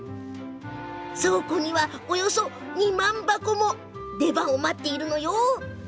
倉庫には、およそ２万箱も出番を待っています。